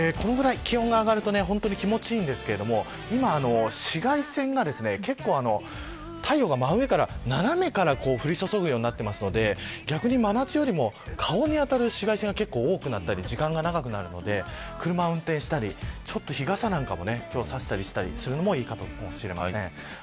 このぐらい気温が上がると気持ちいいんですけど今、紫外線が結構、太陽が真上から斜めから降り注ぐようになっているので逆に真夏よりも顔に当たる紫外線が多くなったり時間が長くなるので車を運転したり日傘なんかも差したりしたりするのもいいかもしれません。